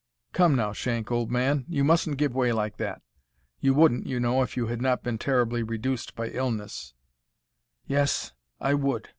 "Come, now, Shank, old man, you mustn't give way like that. You wouldn't, you know, if you had not been terribly reduced by illness " "Yes, I would!